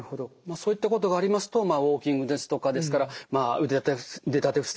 そういったことがありますとウォーキングですとか腕立て伏せ